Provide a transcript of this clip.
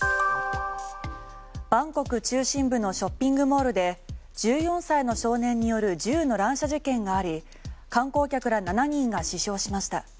バンコク中心部のショッピングモールで１４歳の少年による銃の乱射事件があり観光客ら７人が死傷しました。